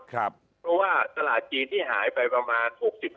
เพราะว่าตลาดจีนที่หายไปประมาณ๖๕